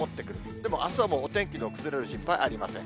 でもあすはもうお天気の崩れる心配はありません。